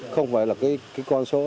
không phải là cái con số